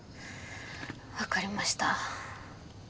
分かりました。